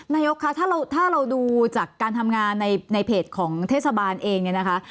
นายกคะถ้าเราดูจากการทำงานในเพจของเทศบาลเองเนี่ยนะคะ